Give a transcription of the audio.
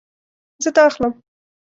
زه دا اخلم